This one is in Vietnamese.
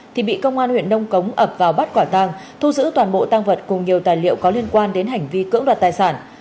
thì bị công an huyện nông cống ập vào bắt quả tang thu giữ toàn bộ tăng vật cùng nhiều tài liệu có liên quan đến hành vi cưỡng đoạt tài sản